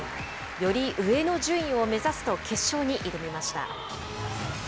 より上の順位を目指すと決勝に挑みました。